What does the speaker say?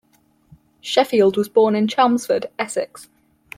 Sheffield was born in Chelmsford, Essex.